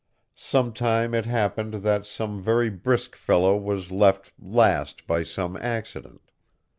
Sometime it happened that some very brisk fellow was left last by some accident.